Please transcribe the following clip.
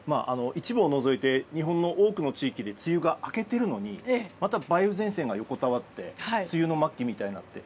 一部を除いて日本の多くの地域で梅雨が明けているのにまた梅雨前線が横たわって梅雨の末期みたいになって。